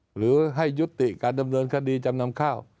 หรือให้ยุติการดำเนินคดีจำนำข้าว